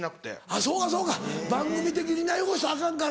あっそうかそうか番組的にな汚したらアカンから。